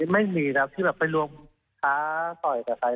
ไม่มีครับที่แบบไปรวมท้าต่อยกับใคร